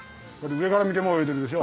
横から見ても泳いでるでしょ。